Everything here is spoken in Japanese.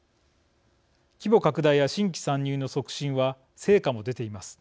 規模拡大や新規参入の促進は成果も出ています。